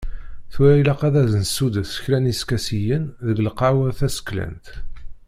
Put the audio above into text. Tura ilaq ad d-nessuddes kra n yiskasiyen deg lqahwa taseklant.